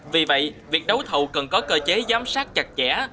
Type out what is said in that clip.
vì vậy việc đấu thầu cần có cơ chế giám sát chặt chẽ